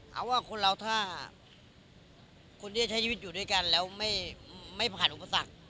เอาว่าคนเราถ้าคนที่จะใช้ชีวิตอยู่ด้วยกันแล้วไม่ผ่านอุปสรรค